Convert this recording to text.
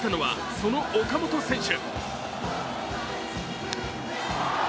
活躍したのは、その岡本選手。